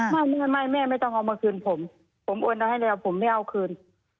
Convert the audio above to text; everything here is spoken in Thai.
ไม่ไม่แม่ไม่ต้องเอามาคืนผมผมโอนเอาให้แล้วผมไม่เอาคืน